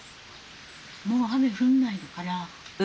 もう雨降んないのかな？